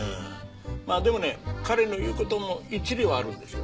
まぁでもね彼の言うことも一理はあるんですよ。